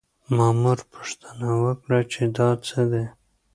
مامور پوښتنه وکړه چې دا څه دي؟